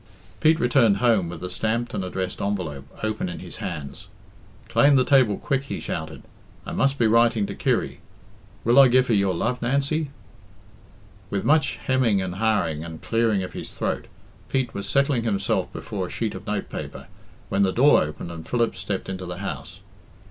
Pete returned home with the stamped and addressed envelope open in his hands, "Clane the table quick," he shouted; "I must be writing to Kirry. Will I give her your love, Nancy?" With much hem ing and ha ing and clearing of his throat, Pete was settling himself before a sheet of note paper, when the door opened, and Philip stepped into the house.